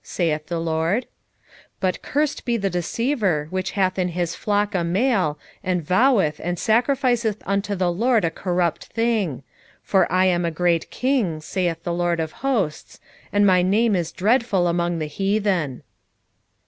saith the LORD. 1:14 But cursed be the deceiver, which hath in his flock a male, and voweth, and sacrificeth unto the LORD a corrupt thing: for I am a great King, saith the LORD of hosts, and my name is dreadful among the heathen.